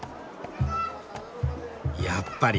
やっぱり。